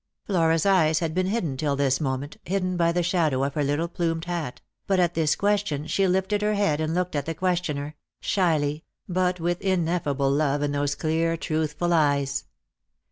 Flora's eyes had been hidden till this moment, hidden by the shadow of her little plumed hat ; but at this question she lifted her head and looked at the questioner — shyly, but with ineffable love in those clear truthful eyes.